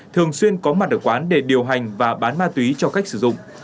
thường xuyên có mặt ở quán để điều hành và bán ma túy cho khách sử dụng